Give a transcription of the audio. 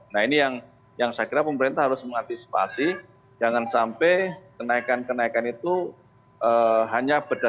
nah ini yang saya kira pemerintah harus mengantisipasi jangan sampai kenaikan kenaikan itu hanya berdasarkan